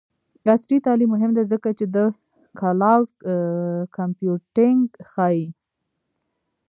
عصري تعلیم مهم دی ځکه چې د کلاؤډ کمپیوټینګ ښيي.